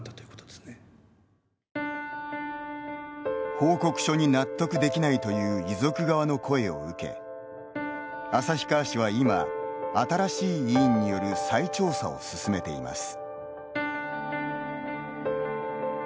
報告書に納得できないという遺族側の声を受け旭川市は今、新しい委員による再調査を進めています。